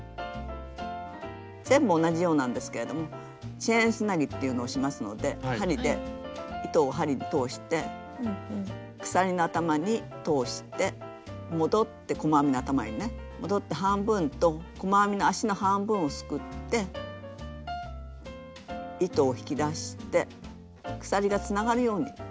全部同じようなんですけれども「チェーンつなぎ」っていうのをしますので針で糸を針に通して鎖の頭に通して戻って細編みの頭にね戻って半分と細編みの足の半分をすくって糸を引き出して鎖がつながるように仕上げます。